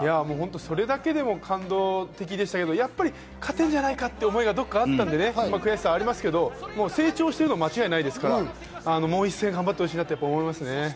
それも感動的でしたし、勝てるんじゃないかという気持ちがどこかにあったんで悔しいですが、成長してるのは間違いないですから、もう一戦、頑張ってほしいなと思いますね。